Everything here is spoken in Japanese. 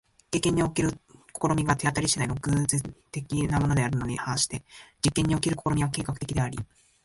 経験における試みが手当り次第の偶然的なものであるに反して、実験における試みは計画的であり、